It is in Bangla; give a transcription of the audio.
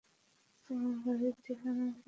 তোমার বাড়ির ঠিকানা কী?